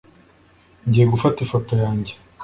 Ngiye gufata ifoto yanjye